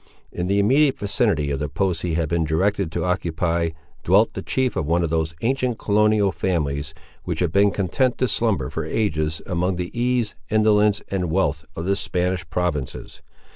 In the immediate vicinity of the post he had been directed to occupy, dwelt the chief of one of those ancient colonial families, which had been content to slumber for ages amid the ease, indolence, and wealth of the Spanish provinces.